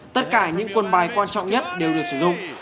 tất cả những quân bài quan trọng nhất đều được sử dụng